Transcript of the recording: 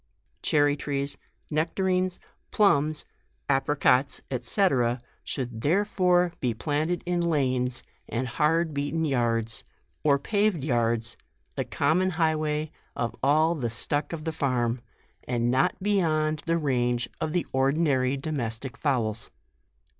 Cherry trees, necta rines, plumbs, apricots, &c. should therefore be planted in lanes and hard beaten yards, or paved yards, the common highway of all the stuck of the farm, and not beyond the range of the ordinary domestic fowls.